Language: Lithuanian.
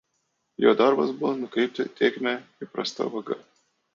Jo darbas buvo nukreipti tėkmę įprasta vaga.